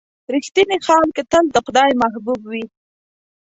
• رښتیني خلک تل د خدای محبوب وي.